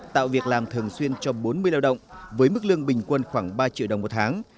tạo việc làm thường xuyên cho bốn mươi lao động với mức lương bình quân khoảng ba triệu đồng một tháng